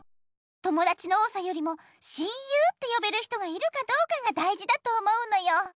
ともだちの多さよりも親友ってよべる人がいるかどうかがだいじだと思うのよ。